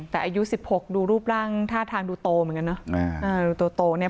แต่อายุ๑๖ดูรูปร่างท่าทางดูโตเหมือนกันเนอะ